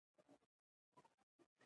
وربشې د حیواناتو لپاره کرل کیږي.